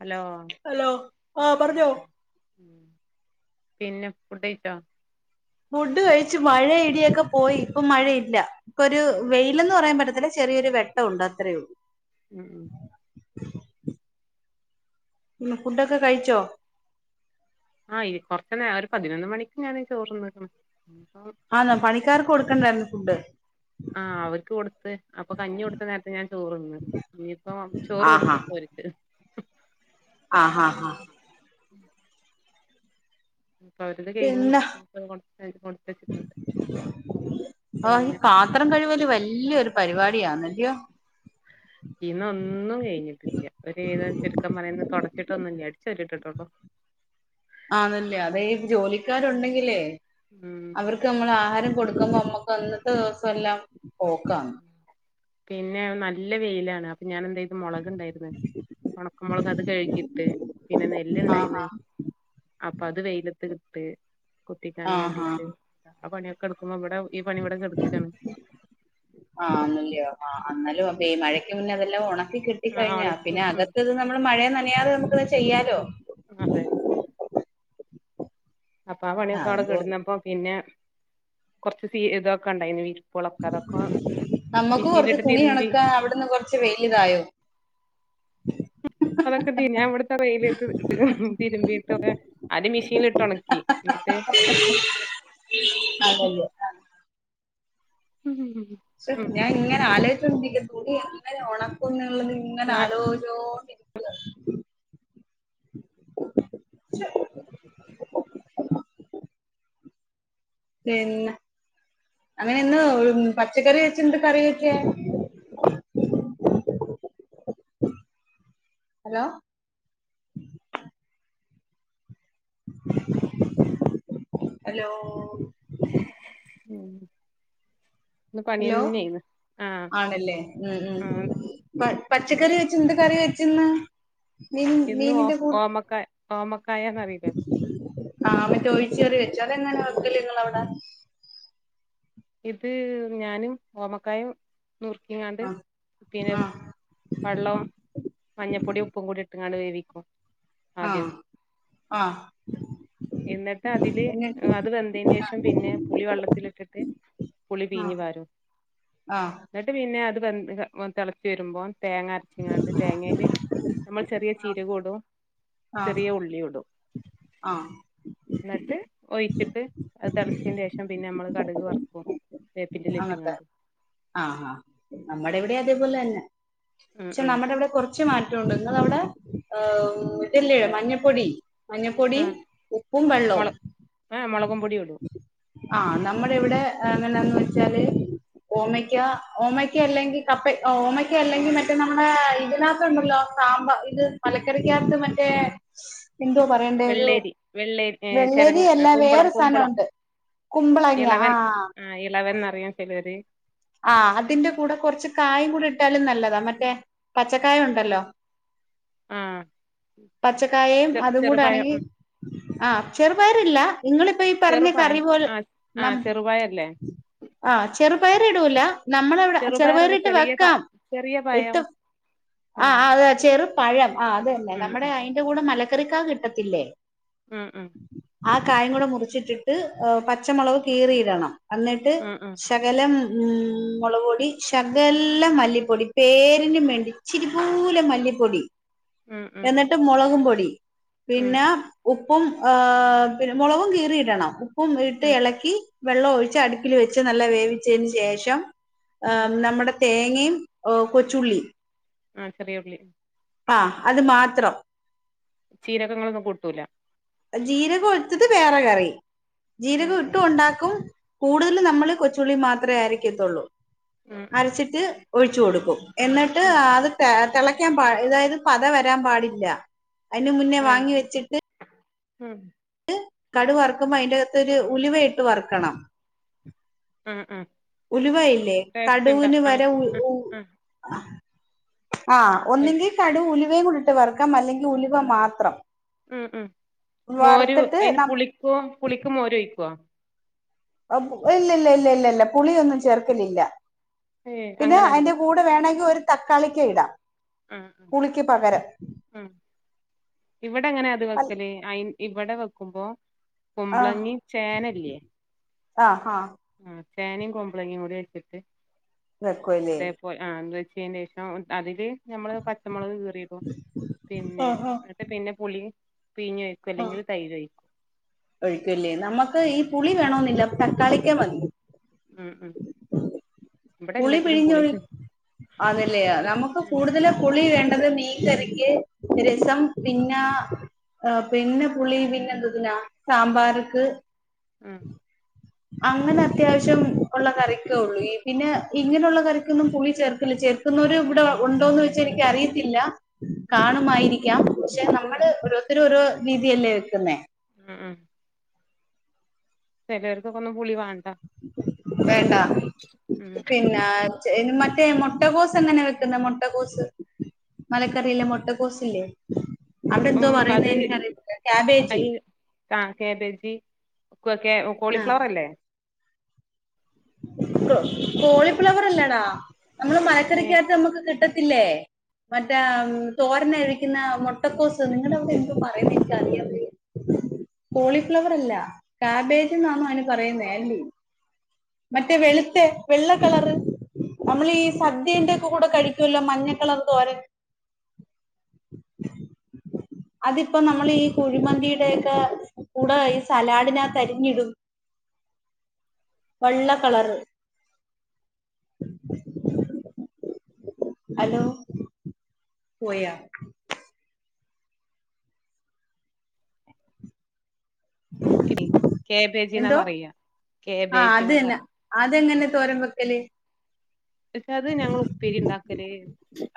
Hello hello ആഹ് പറഞ്ഞോ. പിന്നെ ഫുഡ് കഴിച്ചോ ഫുഡ് കഴിച്ച് മഴയിടിയൊക്കെ പോയി ഇപ്പൊ മഴയില്ല ഇപ്പൊ ഒരു വെയിലന്ന് പറയാൻ പറ്റത്തില്ല ചെറിയൊരു വെട്ടം ഉണ്ട് അത്രേ ഉള്ളൂ. ഉം ഉം. പിന്നെ ഫുഡൊക്കെ കഴിച്ചോ ആഹ് കൊറച്ച നേ ഒരു പതിനൊന്ന് മണിക്ക് ഞാന് ചോറ്ന്നക്കണ് ആഹ് പണിക്കാർക്ക് കൊടുക്കണ്ടായിരുന്നു. ഫുഡ് ആഹ് അവർക്ക് കൊടുത്ത് അപ്പൊ കഞ്ഞി കൊടുത്ത നേരത്ത് ഞാൻ ചോറ്ന്ന് ഇനിപ്പോ ചോറ് കൊടുത്തപ്പോ അവർക്ക് ആഹ് ഹാ ഹാ. ഇപ്പൊ അവരത് കഴിഞ്ഞ് പിന്നെ കൊടുത്തച്ചിട്ടുണ്ട് ആഹ് ഈ പിന്നെ പാത്രം കഴുകല് വലിയൊരു പരിപാടി യാണ് അല്ലയോ ഇന്ന് ഒന്നും കഴിഞ്ഞിട്ടില്ല ഒരുവിധം ചുരുക്കം പറഞ്ഞാ തുടച്ചിട്ടോന്നുല്ല അടിച്ച് വാരിട്ടിട്ടൊള്ളൂ ആതല്ലേ അതെ ജോലിക്കാരുണ്ടെങ്കിലേ ഉം അവർക്ക് നമ്മൾ ആഹാരം കൊടുക്കുമ്പോ നമുക്ക് അന്നത്തെ ദിവസം എല്ലാം പോക്കാണ് പിന്നെ നല്ല വെയിലാണ് ഞാൻ എന്തെയ്ത് മുളക് ഇണ്ടായിരിന്ന് ഉണക്ക മുളക് അത് കഴുകിയിട്ട് പിന്നെ നെല്ല് ആഹ് ഇണ്ടായിന്ന് അപ്പൊ അത് വെയിലത്തക്ക് ഇട്ട്. ആഹ് കുത്തിക്കാൻ ആഹ് ആഹ് വേണ്ടിട്ട് കെടുക്കുമ്പോ ഇവിടെ ഈ പണി ഇവിടെ കെടുക്കണ് ആന്നല്ലേ ആഹ് എന്നാലും അപ്പൊ ഈ മഴയ്ക്ക് മുന്നേ അതെല്ലാം ഒണ ക്കി കിട്ടി ആ കഴിഞ്ഞ ഒണക്കി പിന്നെ ഉം അകത്തത് നമ്മള് മഴ തെ നമുക്ക് അത് ചെയ്യാലോ അതെ അപ്പൊ ആ പണിയൊക്കെ അവിടൊക്കെ ഇടുന്നപ്പോ പിന്നെ കുറച്ച് സീ ഇതൊക്കെ ഉണ്ടായിരുന്നു വീർ നമ്മുക്ക് കൊറച്ച് തുണി തിരുമ്പി എണക്ക അവിടുന്ന് കൊറച്ച് വെയില ഇതായോ ഉ അതൊക്കെ തി ഞാൻ ഇവിടുത്തെ വെയിലട്ട് തിരുമ്പിട്ടൊക്കെ ആര് മിഷീന ഇട്ട് ഉണക്കി എന്നിട്ട് അതല്ലേ ഉം ഹ പക്ഷെ ഞാൻ ഇങ്ങനെ ആല് ആലോചിച്ച് തുണി എങ്ങെനെ ഉണക്ക്ന്നെ ഞങ്ങൾ ഇങ്ങനൊ ആ ആലോയ്ച്ചോണ്ട് പിന്നെ അങ്ങനെന്ന് പച്ചക്കറി വെച്ചണ്ട് കറി വെക്കാ ഹലോ ഹലോ ഉം ഹലോ ആണല്ലേ ഉം ആ ഉം പ പച്ചക്കറി വെച്ച എന്ത് കറി വെച്ചി ഇന്ന് ഇന്ന് ഓ ഓമക്കായ ഓമക്കായാന്നറീലേ ആഹ് മറ്റേ ഒഴിച്ച് കറി വെച്ചു അതെങ്ങനെ വെക്കല് ഇങ്ങളവടെ ഇത് ഞാനും ഓമക്കായും നുർക്കിങ്ങാണ്ട് ആഹ് പിന്നെ ആഹ് വള്ളം മഞ്ഞപ്പൊടിം ഉപ്പും കൂടി ഇട്ട്ങ്ങാണ്ട് വേവിക്കും. ആദ്യം ആഹ് ആഹ് എന്നിട്ട് അതില് പിന്നെ അത് വെന്ത യ്ൻ്റേഷം പിന്നെ പുളി വള്ളത്തിലിട്ടിട്ട് പുളി പീഞ്ഞു ആഹ് പാരും ആഹ് ഇന്നിട്ട് പി ന്നെ അത് വെൻ തെളച്ച് വരുമ്പോ തേങ്ങ അരച്ച്ങ്ങാണ്ട് തേങ്ങേല് നമ്മൾ ചെറിയ ചീരകൂടും ആഹ് ചെറിയ ഉള്ളിയുടും ആഹ് ഇന്നട്ട് ഒയ്ച്ച് അത് തതിളച്ചതിന്റെ ശേഷം പിന്നെ നമ്മള് കടുക് വറ കു വേപ്പിന്റെല ഇട്ട് അങ്ങത്തെ കാണ്ട് ആഹ് ഹാ നമ്മടെ ഇവിടെ അതേപോലെ ഉം ക്ഷെ ഉം നമ്മടെ അവടെ കൊറച്ച് മാ ട്ടുണ്ട് ഇങ്ങളവടെ ഏഹ് ഇതല്ലേ മഞ്ഞപ്പൊടി മഞ്ഞപ്പൊടി ആഹ് ഉപ്പും വെള്ളോം. മുള ആഹ് മൊളകും പൊടിയും ഇടൂ ആ നമ്മടിവിടെ എങ്ങനാന്ന് വച്ചാല് ഓമക്ക ഓമക്ക അല്ലെങ്കിൽ കപ്പ ഓമയ്ക്ക അല്ലെങ്കിൽ മറ്റേ നമ്മുടെ ഇതിനാത്ത ഉണ്ടല്ലോ സാമ്പാ ഇത് മലക്കറിക്കാത്ത് മറ്റേ എന്തോ പറയണ്ടെ ഒരു വെള്ളേരി വെള്ളേരി ചെരങ്ങ വെള്ളരി അല്ല കുമ്പളം വേറെ കുമ്പളം സാനമുണ്ട് ഇളവൻ ആഹ് ഇളവൻന്നറിയും ചെലര് ആ അതിന്റ കൂടെ കൊറച്ച് കായും കൂടെ ഇട്ടാലും നല്ലതാ മറ്റേ പച്ചക്കായ ഉണ്ടല്ലോ ആഹ് പച്ചക്കായയും അതും ചെറുപഴം കൂടാണെങ്കി ആ ചെറുപയറില്ല നിങ്ങളിപ്പ ഈ പറഞ്ഞ കറി ചെറുപയം പോൽ ആ ആ നം ചെറുപയല്ലേ ആ ഹ് ചെറുപയർ ഇടൂല നമ്മളവിടെ ചെറുപയറല്ല ചെറുപയറിട്ട് ചെറിയ പ വെക്കാം ചെറിയ പയം ഇട്ട് ആ ഉം ആ വെ ചെറു പഴം ആ അതെന്നെ ഉം നമ്മടെ അയിന്റെ കൂടെ മല ചെറിക്കാ കിട്ടത്തില്ലേ? ഉം ഉം ആ കായും കൂടെ മുറിച്ചിട്ടിട്ട് ഏ പച്ചമുളവ് കീറിയിടണം അന്നിട്ട് ഉം ശകലം ഉം മുളവ്പൊടി ശകലം മല്ലിപ്പൊടി പേരിനും വേണ്ടി ഇച്ചിരിപൂലം മല്ലിപ്പൊടി ഉം ഉം എന്ന്ട്ട് മുളകും പൊ ടി ഉം ഉം പിന്നാ ഉ പ്പും ആ പിന്നെ മൊളവും കീറിയിടണം പ്പും ഇട്ട് ഉം എളക്കി വെള്ളോം ഒഴിച്ച് അട്പ്പില് വെച്ച് നല്ല വേവിച് തേന് ശേഷം ഉം ആഹ് നമ്മടെ തേങ്ങേം ഒ കൊച്ചുള്ളി ആ ചെറിയുള്ളി ആഹാ അത് മാത്രം ജീരകങ്ങളൊന്നും കൂട്ടൂല ജീരകോഴുത്തത് വേറെ കറി ഉം ജീരകം ഇട്ടും ഉം ഒണ്ടാക്കും കൂട്തല് നമ്മള് കൊച്ചുള്ളിം മാ ത്രേ അരക്കെത്താെള്ളു ഉം അരച്ച്ട്ട് ഒഴിച്ചു കൊട്ക്കും എന്നിട്ട് ഉം ആത് തെ തിളയ്ക്കാൻ പാ അതായത് പത വരാൻ പാടില്ല അയ്ന് മുന്നേ ആ വാങ്ങി വെച്ചിട്ട് ഉം കടു വറക്കുമ്പോ അതിന്റെ അകത്ത് ഒരു ഉലിവ ഇട്ട് വറക്കണം ആഹ ആ ഉലുവയില്ലേ ടേസ്റ്റ് ഇണ്ട കടുവിന് ആ വര ഉ ആ ഉ ആ ആഹ് ഒന്നുങ്കി കടു ഉലു വയും കൂടി ഇട്ട് വറക്കാം, അല്ലെങ്കില് ഉലുവ മാത്രം. ഉം, ഉം മോര് വറുത്തിട്ട് അയിന് പുളിക്കോ പുളിക്ക് മോര് ഒയിക്കോ? ഇല്ലല്ല, ഇല്ല, ഇല്ല, ഇല്ല പുളിയൊന്നും ചേർക്കലില്ല. ഏ പിന്നെ അങ്ങനെണ്ട് അയിന്റെ കൂടെ വേണങ്കി ഒരു തക്കാളിക്ക ഇടാം. ഉം പുളിക്ക് പകരം ഉം ഇവിടെ എങ്ങനെ അത് വെക്കല് അയി ഇവടെ വെക്കുമ്പോ, കുമ്പളങ്ങി ചേനല്യേ? ആഹ്, ആഹ്. ആ ചേനയും, കുമ്പളങ്ങയും കൂടി വച്ചിട്ട്, വെക്കുവല്ലേ അതേ പോ ആ [unintelligible] ചെയ്ൻ്റേഷം അതില് ഞമ്മള് പച്ചമുളക് കീറിടും. പിന്നെ ആഹ് ആഹ് എന്നിട്ട് പിന്നെ പുളി, പീഞ്ഞ് ഒഴിക്കും അല്ലെങ്കില് തൈര് ഒഴിക്കും. ഒഴിക്കല്ലേ നമുക്ക് ഉം ഈ പു ണ തക്കാളിക്ക വന്ന ഉം ഉം ഇവിടെ പുളി എല്ലാത്തിലും പിഴിഞ്ഞൊി അതല്ലേ പുളി നമുക്ക് ഉം കൂടുതല് പുളി വേണ്ടത് മീൻകറിക്ക് ഉം രസം പിന്നെ ആ പിന്നെ പുള്ളിൽ പിന്നെ എന്തതിനാ സാമ്പാർക്ക് ഉം അങ്ങനെ അത്യാവശ്യം ഉള്ള കറിക്കേ ഉള്ളൂ ഈ പിന്നെ ഇങ്ങനെയുള്ള കറിക്കൊന്നും പുളി ചേർക്കില്ല ചേർക്കുന്നവര ഇവിടെ ഉണ്ടോന്ന് വെച്ചാ എനക്ക് അറിയത്തില്ല ഉം കാണുമായിരിക്കാം പക്ഷെ ഉം നമ്മള് ഓരോരുത്തര രോ രീതിയല്ലേ വെക്കുന്ന ഉം ചിലർക്കക്കും പുളി വാണ്ട ചില വേണ്ട നാട്ട ഉ പിന്നെ മറ്റേ മുട്ടക്കോസ് എങ്ങനാണ് വെക്കുന്നത് മുട്ടകോസ് മലക്കറില്ലേ മുട്ടക്കോസ്സില്ലെ അവിടെ എന്തോ ഉം പറയുന്നത് അത് എനിക്കറിയത്തില്ല കാബേജ് അയി ഉപ്പൊക്കെ കോളിഫ്ലവർ അല്ലേ കോ കോളിഫ്ലവർ അല്ലാടാ നമ്മള് ഏ മലക്കറിക്കാത്ത നമുക്ക് കിട്ട- ല്ലേ മറ്റേ തോരന്ന കഴിക്കുന്ന മുട്ടക്കോസ് നിങ്ങവിടെ എന്താ പറയുന്നിരിക്കാറിയില്ല കോളിഫ്ലവർ അല്ല കാബേജ് എന്നാണന്ന് അതിന് പറയുന്നേ മറ്റേ വെളുത്ത വെള്ള കളർ നമ്മൾഈ സദ്യേന്റെയൊക്കെ കൂടെ കഴിക്കുമല്ലോ മഞ്ഞ കളർ തോരൻ അതിപ്പോ നമ്മൾ ഈ കുഴിമന്തിയുടെയൊക്കെ കൂടെ ഈ സലാഡിനാത്തരിഞ്ഞിടും വെള്ള കളറ് ഹലോ പോയാ കാബേജിന്നാ എന്തോ പറയാ ആഹ അത് കാബേജിന്നാ പറയാ തന്നെ അതെങ്ങനെ തോരൻ വയ്ക്കല് പക്ഷെ അത് ഞങ്ങൾ ഉപ്പേരി ഉണ്ടാക്കല്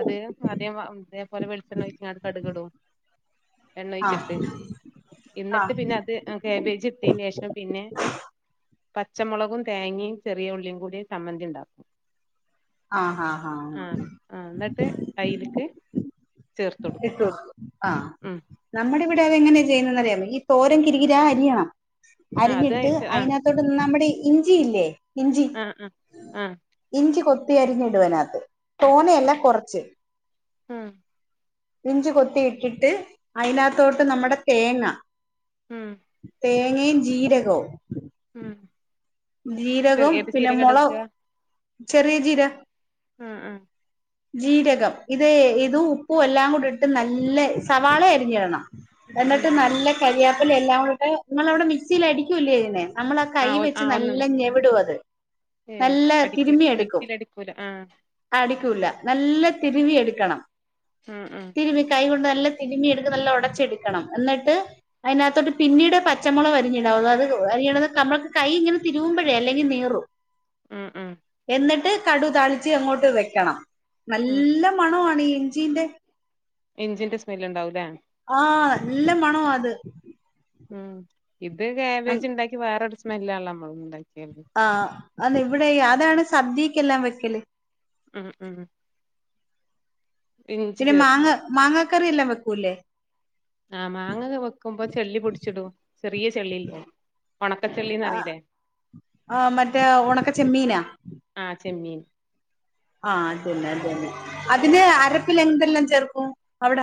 അത് അതേ അതേപോലെ വെളിച്ചെണ്ണ ഒഴിച്ച് കടുകിടും എണ്ണ ആ ഒഴിച്ചിട്ട് ആ എന്നിട്ട് പിന്നെ അത് കാബേജ് ഇട്ടതിന് ശേഷം പിന്നെ പച്ചമുളകും തേങ്ങയും ചെറിയ ഉള്ളിയും കൂടി സമ്മന്തി ഉണ്ടാക്കും ആഹ ആ ആ ആഹ് ആഹ ആഹ് എന്നിട്ട് അയില്ക്ക് ഇട്ടു കൊടുക്കും ആ ഉം നമ്മുടെ ഇവിടെ അത് എങ്ങനെ ചെയ്യുന്നറിയ ഈ തോരൻ കിരികിരാ അരിയണം ആഹ് അത് അരിഞ്ഞിട്ട് ആഹ് അതിനകത്തോട്ട് നമ്മുടെ ഇഞ്ചി ഇഞ്ചില്ലെ ഇഞ്ചി ആഹ് ആഹ് ആഹ് ഇഞ്ചി കൊത്ത് കുത്തി അരിഞ്ഞിടുവനകത്ത് തോനയല്ല കൊറച്ച് ആഹ ഇഞ്ചി കൊത്തിയിട്ടിട്ട് അതിനകത്തോട്ട് നമ്മുടെ തേങ്ങ ഉം തേ ഇനിയും ജീരകോം [inaudible] ജീരകവും ചെറിയ പിന്നെ ജീരകം ഇട മുളചെറിയ ജീര ഉം ഉം ജീരകം ഇത് ഇത് ഉപ്പും എല്ലാം കൂടി ഇതിട്ട് നല്ല സവാള അരിഞ്ഞിടണം ഉം എന്നിട്ട് നല്ല കരിയാ അല്ലേ എല്ലാം കൂടി നിങ്ങവിടെ മിക്സിയിൽ അടിക്കൂല്ലേ ഇതിനെ നമ്മള കൈ- ആഹ് ആഹ് ഒന്ന് നല്ല ഞെവുടും അത് ഏഹ് നല്ല അടിക്കൂല തിരുമി എടുക്കും മിക്സിൽ അടിക്കൂല ആഹ് അടിക്കൂല നല്ല തിരുമ്മിയെടുക്കണം ഉം ഉം തിരുമി കൈ കൊണ്ട് നല്ല തിരിമി എടുക്ക നല്ല ഉടച്ചെടുക്കണം. എന്നിട്ട് അതിനകത്തോട്ട് പിന്നീട് പച്ചമുളക് വരിഞ്ഞടാവും അത് അരി [inaudible] കൈ ഇങ്ങനെ തിരുവുമ്പോഴേ അല്ലെങ്കിൽ നീറും ഉം ഉം എന്നിട്ട് കടു താളിച്ച് അങ്ങോട്ട് വെക്കണം ഉം നല്ല മണവാണിയി ചീന്ത- ഇഞ്ചിന്റെ സ്മെൽ ഇണ്ടാവു ലേ. ആ നല്ല മണമാ അത്. ഉം ഇത് കാബേജ് ഇണ്ടാക്കി വേറെട സ്മെല്ലാണമ്മളുംണ്ടാ ആ ആ അതിവിടെ ഈ അതാണ് സദ്യയ് ക്കെല്ലാം വെക്കല്. ഹ്മ്മ് മ്മ് ഇനി മാങ്ങാ മാങ്ങാകറിയില്ല വെക് ക്കൂല്ലേ ആ മാങ്ങക് വെക്കുമ്പോ ചെല്ലി പുട്ച്ചിടും ചെറിയ ചെള്ളില്ലേ. ആ ഉണക്കച്ചെള്ളിന്നറിയില്ലേ ആ മറ്റേ ഉണക്ക ചെമ്മീനാ. ആ ചെമ്മീൻ ആ അത ന്നെ അത ന്നെ അതിന് അര പ്പില് എന്തെല്ലാം ചേർക്കും അവിട?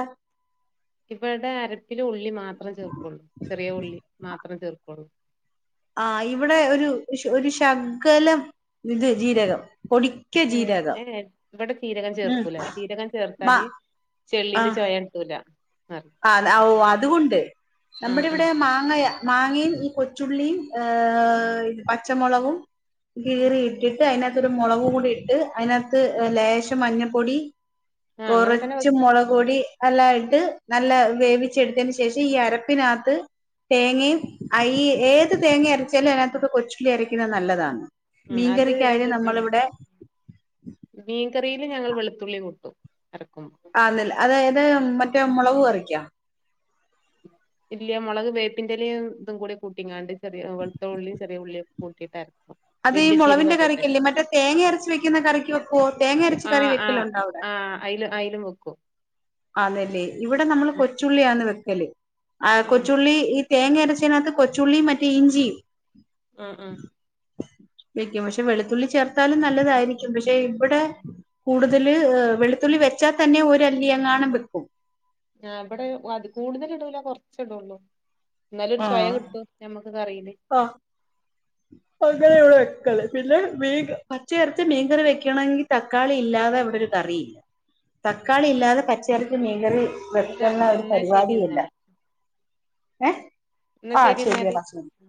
ഇവടെ അരപ്പില് ഉൾ ഉള്ളി മാത്രെ ചേർക്കുള്ളൂ. ചെറിയ ഉള്ളി മാത്രാ ചേർക്കൊള്ളൂ. ആ ഇവിടെ ഒരു ശു രു ശകലം ഇത് ജീരകം പൊടിക്ക ഏ ജീരകം ഏ ഇവിടെ ചീരകം ഉം ചേർക്കൂല ചീരകം മ ചേർത്താല് ചെള്ളീന്റെ ആ ചോയ ട്ടൂല ആ ഔ അതുണ്ട് ആ നമ്മടെ ആ ഇവിടെ മാങ്ങയ മാങ്ങയും ഈ കൊച്ചുള്ളിയും ഏ പച്ചമുളകും കീറി ഇട്ടിട്ട് അയ്ന മുളകും കൂടി ഇട്ട് അയ്നത്ത് ഇ ലേശം മഞ്ഞൾപൊടി ആ അങ്ങനെ തന്നെ കൊറച്ച് വെക്ക മുളക് പൊടി അല്ലായിട്ട് നല്ല വേവിച്ചെടുത്തേന് ശേഷം ഈ അരപിനത്ത് തേങ്ങയും ആയി ഏത് തേങ്ങ അരച്ചാലും അതിനകത്തോട്ട് കൊച്ചുള്ളി അരക്കുന്നത് നല്ലതാണ് ഉം അത് മീൻകറിക്കായാലും നമ്മളിവിടെ മീൻ കറിയില് ഞങ്ങൾ വെളുത്തുള്ളി കൂട്ടും അര ആന്നല്ലേ അതായ അത് മറ്റേ മുളക് കറിക്കാ ഇല്ല മുളക് വേപ്പിന്റെല ഇതും കൂടെ കൂട്ടിങ്ങാണ്ട് ശരി വെളത്തഉള്ളിയും ചെറിയ ഉള്ളിയ കൂട്ടിട്ട് അര അത് ഈ മുളവിന്റെ കറിക്കല്ലേ മറ്റേ തേങ്ങ അരച്ച വെക്കുന്ന കറിക്ക് വെക്കുവോ തേങ്ങ അരച്ച കറി ആഹ് വെക്കല് ആഹ് ഉണ്ടാവിടെ ആഹ് അയില് അയിലും വെക്കും അതെല്ലേ ഇവിടെ നമ്മള് ഉം കൊച്ചുള്ളിയാന്ന് വയ് ക്കല് ആ ആഹ് കൊച്ചുള്ളി ഇ തേങ്ങ അരച്ചതിനകത്ത് കൊച്ചുള്ളിയും മറ്റേ ഇഞ്ചിയും ആഹ് ആഹ് വെക്കും പക്ഷെ വെളുത്തുള്ളി ചേർത്താലും നല്ലതായിരിക്കും പക്ഷെ പക്ഷെ ഇവിടെ കൂടു ഇതിൽ വെളുത്തുള്ളി വെച്ചാൽ തന്നെ ഒരലിങ്ങൊണ്ട് ഞാൻ വെക്കും ഞാൻ ഇവിടെ കൂടുതൽ ഇടൂല കൊറച്ചേ ഇടുള്ളൂ അന്നേരം സ്വയ ആഹ് കിട്ടൂഞമ്മക്ക് കറിയും ആഹ് അങ്ങനെ ഇവിടെ വെക്കല് പിന്നെ മീൻ പച്ചയരച്ച മീൻകറി വെക്കണമെങ്കിൽ തക്കാളി ഇല്ലാതെ അവിടെ ഒരു കറിയില്ല ഉം. തക്കാളി ഇല്ലാതെ പച്ചയിറച്ചി മീൻകറി എന്നാ വെക്കുന്ന ഒരു എന്നാ ശരി പരിപാടില്ല എന്നാല് ഏഹ് എന്നാ ആഹ് ശരി എന്നാല് ശരിയടാ ഉം